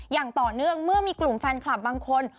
อย่างต่อเนื่องเมื่อมีกลุ่มแฟนคลับบางคน